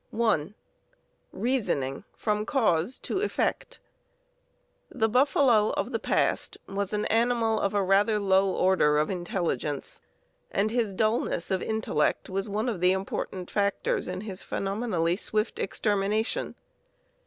(1) Reasoning from cause to effect. The buffalo of the past was an animal of a rather low order of intelligence, and his dullness of intellect was one of the important factors in his phenomenally swift extermination.